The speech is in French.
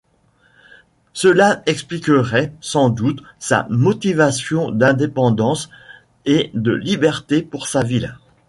Cela expliquerait sans doute sa motivation d'indépendance et de liberté pour sa ville.